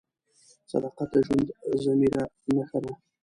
صداقت د ژوندي ضمیر نښه ده.